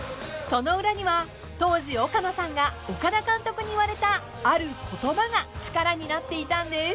［その裏には当時岡野さんが岡田監督に言われたある言葉が力になっていたんです］